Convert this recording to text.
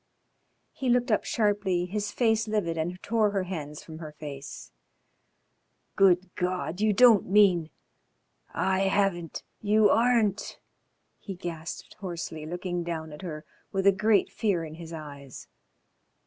He looked up sharply, his face livid, and tore her hands from her face. "Good God! You don't mean I haven't You aren't " he gasped hoarsely, looking down at her with a great fear in his eyes.